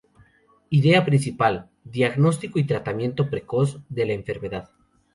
Idea principal: diagnóstico y tratamiento precoz de la enfermedad.